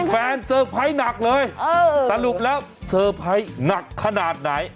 เซอร์ไพรส์หนักเลยสรุปแล้วเซอร์ไพรส์หนักขนาดไหน